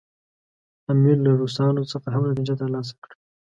امیر له روسانو څخه هم نتیجه ترلاسه کړه.